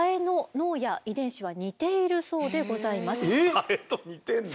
ハエと似てんだ。